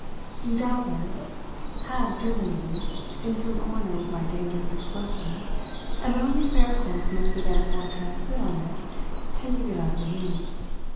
You doubtless have driven me into a corner with my dangerous explosive, and my only fair course must be therefore to sit on it till you get out of the room.